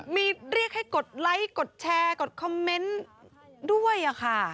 มีเรียกให้กดไลค์กดแชร์กดคอมเมนต์ด้วยค่ะ